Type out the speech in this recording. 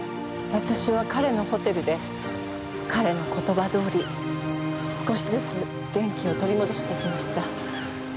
私は彼のホテルで彼の言葉どおり少しずつ元気を取り戻していきました。